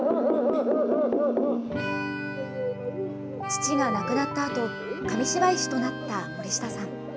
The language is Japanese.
父が亡くなったあと、紙芝居師となった森下さん。